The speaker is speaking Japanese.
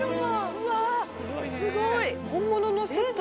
うわすごい。